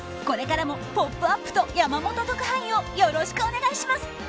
これからも「ポップＵＰ！」と山本特派員をよろしくお願いします。